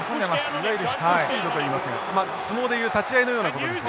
いわゆるヒットスピードと言いますがまあ相撲で言う立ち合いのようなことです。